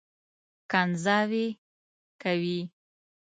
کنځاوې کوي.